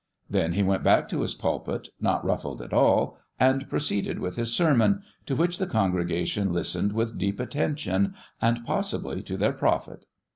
Then he went back to his pulpit, not ruffled at all, and proceeded with his sermon, to which the congregation listened with deep attention, and possibly to their profit.